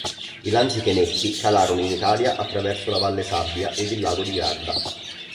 I Lanzichenecchi calarono in Italia attraverso la Valle Sabbia ed il lago di Garda.